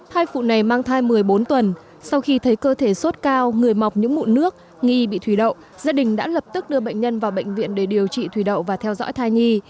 hai phụ này mang thai một mươi bốn tuần sau khi thấy cơ thể sốt cao người mọc những mụn nước nghi bị thủy đậu gia đình đã lập tức đưa bệnh nhân vào bệnh viện để điều trị thủy đậu và theo dõi thai nhi